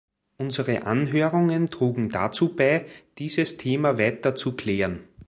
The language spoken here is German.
Unsere Anhörungen trugen dazu bei, dieses Thema weiter zu klären.